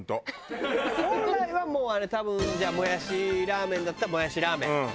本来はもうあれ多分じゃあもやしラーメンだったらもやしラーメン。